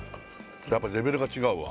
やっぱレベルが違うわ